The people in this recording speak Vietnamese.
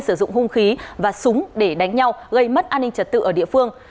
sử dụng hung khí và súng để đánh nhau gây mất an ninh trật tự ở địa phương